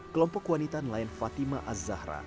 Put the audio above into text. kelompok wanita nelayan fatima az zahra